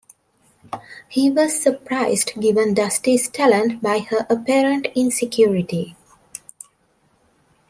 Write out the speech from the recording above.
He was surprised, given Dusty's talent, by her apparent insecurity.